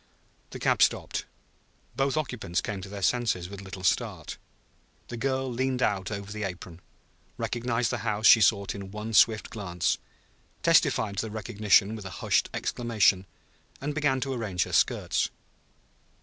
The cab stopped. Both occupants came to their senses with a little start. The girl leaned out over; the apron, recognized the house she sought in one swift glance, testified to the recognition with a hushed exclamation, and began to arrange her skirts.